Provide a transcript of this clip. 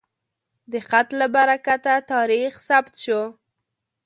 د خط له برکته تاریخ ثبت شو.